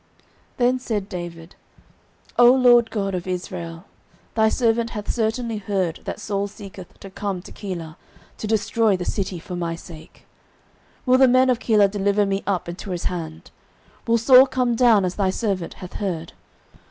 09:023:010 Then said David, O LORD God of Israel, thy servant hath certainly heard that Saul seeketh to come to Keilah, to destroy the city for my sake. 09:023:011 Will the men of Keilah deliver me up into his hand? will Saul come down, as thy servant hath heard?